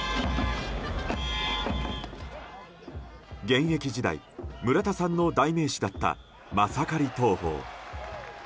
現役時代、村田さんの代名詞だったマサカリ投法。